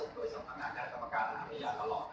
โดยสมัครประปัชเฉาะเอง